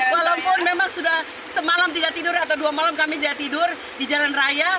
walaupun memang sudah semalam tidak tidur atau dua malam kami tidak tidur di jalan raya